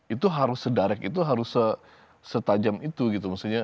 itu harus sederek itu harus setajam itu gitu maksudnya